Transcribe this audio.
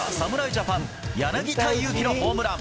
ジャパン柳田悠岐のホームラン。